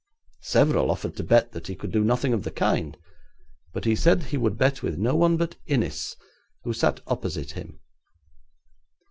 Several offered to bet that he could do nothing of the kind, but he said he would bet with no one but Innis, who sat opposite him.